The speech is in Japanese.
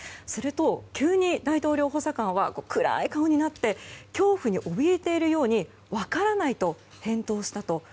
すると、急に大統領補佐官は暗い顔になって恐怖におびえているように分からないと返答したと。